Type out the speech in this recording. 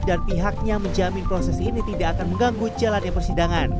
dan pihaknya menjamin proses verifikasi